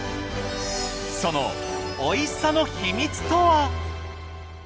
その美味しさの秘密とは？